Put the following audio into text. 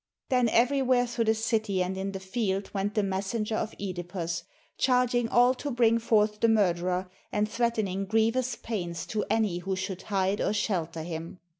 Then everywhere through the city and in the field went the messenger of (Edipus, charging all to bring forth the murderer, and threatening grievous pains to any who should hide or shelter him.